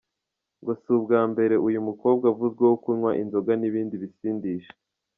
Ngo si ubwa mbere uyu mukobwa avuzweho kunywa inzoga n’ibindi bisindisha.